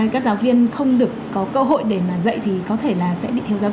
các giáo viên không được có cơ hội để mà dạy thì có thể là sẽ bị thiếu được